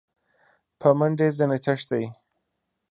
په منډه ځني تښتي !